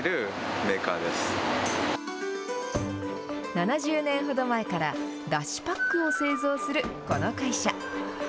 ７０年ほど前から、だしパックを製造するこの会社。